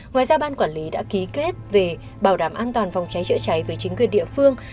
ngoài ra ban quản lý đã ký kết về bảo đảm an toàn phòng cháy chữa cháy với chính quyền địa phương